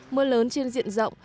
mưa lớn trên diện rộng